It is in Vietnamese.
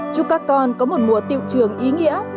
chúc các con có một mùa tiệu trường ý nghĩa